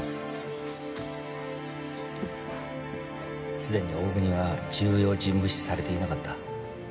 すでに大國は重要人物視されていなかった。